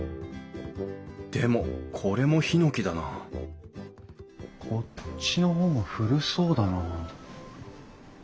でもこれもヒノキだなこっちの方が古そうだなあ。